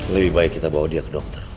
lebih baik kita bawa dia ke dokter